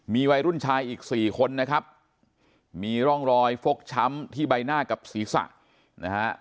มีวัยรุ่นชายอีกสี่คนนะครับมีร่องรอยฟกช้ำที่ใบหน้ากับศีรษะนะฮะ